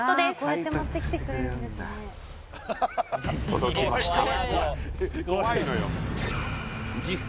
届きました